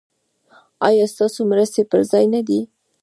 ایا ستاسو مرستې پر ځای نه دي؟